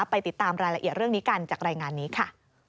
ไปติดตามรายละเอียดเรื่องนี้กันจากรายงานนี้ค่ะ